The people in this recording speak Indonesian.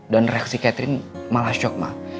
dan reaksi catherine malah shock mbak